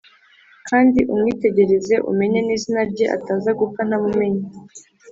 kandi umwitegereze umenye n'izina rye ataza gupfa ntamumenye